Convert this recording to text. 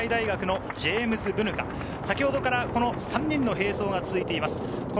輝、駿河台大学のジェームズ・ブヌカ、先ほどから３人の並走が続いています。